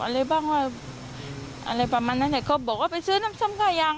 อะไรบ้างวั้งอะไรประมาณนั้นก็บอกว่าไปซื้อน้ำซัมขายาง